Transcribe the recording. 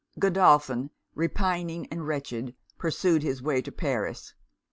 Godolphin, repining and wretched, pursued his way to Paris.